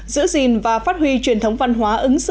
giữ gìn và phát huy truyền thống văn hóa ứng xử